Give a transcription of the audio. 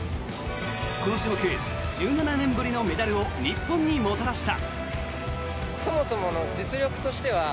この種目１７年ぶりのメダルを日本にもたらした。